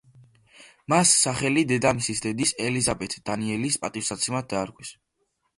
მას სახელი დედამისის დედის, ელიზაბეთ დანიელის პატივსაცემად დაარქვეს.